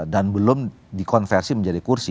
dan belum dikonversi menjadi kursi